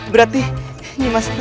berarti nimas rara santang masih hidup